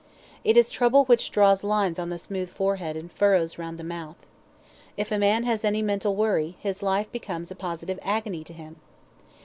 It is trouble which draws lines on the smooth forehead and furrows round the mouth. If a man has any mental worry, his life becomes a positive agony to him.